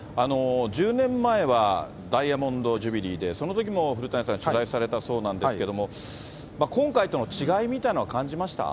１０年前はダイヤモンド・ジュビリーでそのときも古谷さん、取材されたそうなんですけど、今回との違いみたいなのは感じました？